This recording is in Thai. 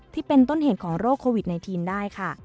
ที่เป็นต้นเหตุของโรคโควิด๑๙ได้ค่ะ